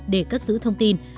để cất giữ thông tin